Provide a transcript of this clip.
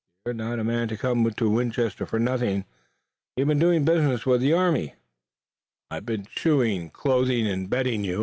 "You're not a man to come to Winchester for nothing. You've been doing business with the army?" "I've been shoeing, clothing and bedding you.